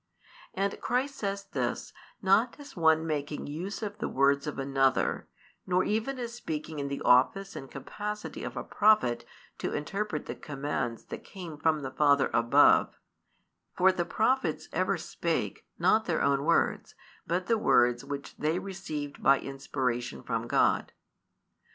And Christ says this, not as one making use of the words of another, nor even as speaking in the office and capacity of a prophet to interpret the commands that came from the Father above: for the prophets ever spake, not their own words, but the words which they received by inspiration from God.